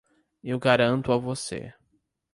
Eu garanto a você.